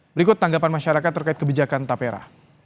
berikut tanggapan masyarakat terkait kebijakan tapera